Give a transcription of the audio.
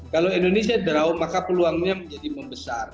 kalau indonesia draw maka peluangnya menjadi membesar